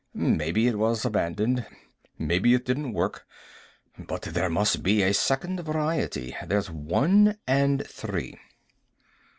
Maybe it was abandoned. Maybe it didn't work. But there must be a Second Variety. There's One and Three."